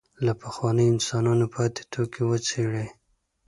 له پخوانیو انسانانو پاتې توکي وڅېړي.